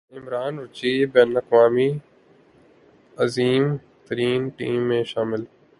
Imran Richie Benaud کی عظیم ترین ٹیم میں شامل